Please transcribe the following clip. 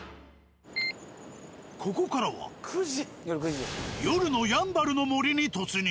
ここからは夜のやんばるの森に突入。